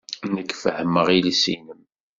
Nekk fehhmeɣ iles-nnem.